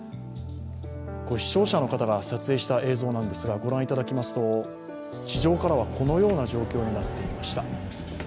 視聴者の方が撮影した映像を御覧いただきますと、地上からはこのような状況になっていました。